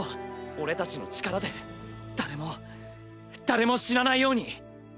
俺たちの力で誰も誰も死なないように。